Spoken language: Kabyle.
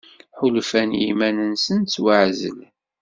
Ḥulfan i yiman-nsen ttwaɛezlen.